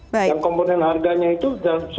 dan komponen harganya itu sepuluh hari